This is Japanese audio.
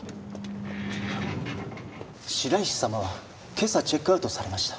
白石様は今朝チェックアウトされました。